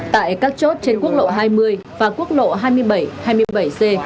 tại các chốt trên quốc lộ hai mươi và quốc lộ hai mươi bảy hai mươi bảy c